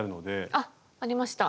あっありました。